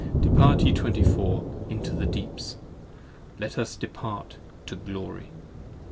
Depart, 65 Ye twenty four, into the deeps; let us depart to glory!